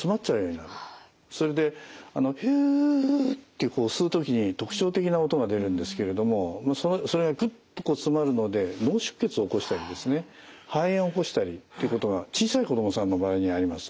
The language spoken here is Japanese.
それで「ヒュー」って吸う時に特徴的な音が出るんですけれどもそれがクッと詰まるので脳出血を起こしたりですね肺炎起こしたりっていうことが小さい子どもさんの場合にあります。